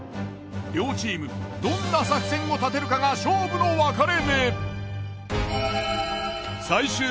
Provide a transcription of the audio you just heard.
両チームどんな作戦を立てるかが勝負の分かれ目。